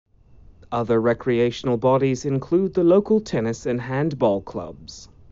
Other recreational bodies include the local tennis and handball clubs.